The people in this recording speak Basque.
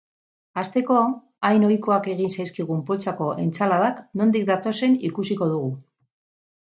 Hasteko, hain ohikoak egin zaizkigun poltsako entsaladak nondik datozen ikusiko dugu.